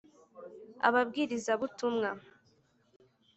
ababwiriza butumwa